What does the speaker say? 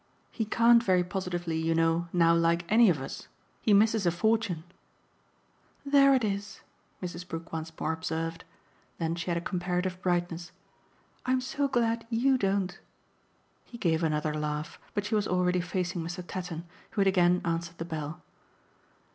"He can't very positively, you know, now like ANY of us. He misses a fortune." "There it is!" Mrs. Brook once more observed. Then she had a comparative brightness. "I'm so glad YOU don't!" He gave another laugh, but she was already facing Mr. Tatton, who had again answered the bell.